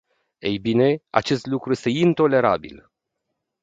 Ei bine, acest lucru este intolerabil.